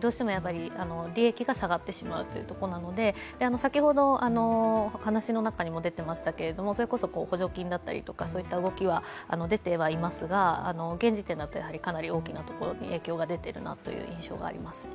どうしても、利益が下がってしまうというところなので、先ほど話の中にも出ていましたが、それこそ補助金だったりとか、そういった動きは出てはいますが現時点だとやはりかなり大きなところに影響が出ているなという印象があります。